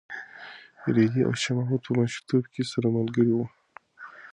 رېدي او شاه محمود په ماشومتوب کې سره ملګري وو.